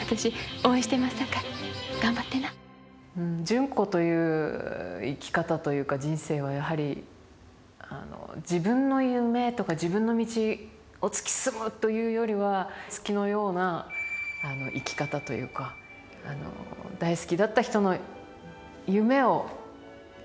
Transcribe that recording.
純子という生き方というか人生はやはり自分の夢とか自分の道を突き進むというよりは月のような生き方というかあの大好きだった人の夢を自分のこととして追いかける。